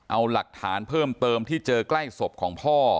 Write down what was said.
เอาหลักฐานเพิ่มเติมที่เจอใกล้ศพของพ่อ